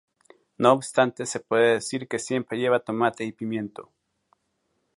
No obstante se puede decir que siempre lleva tomate y pimiento.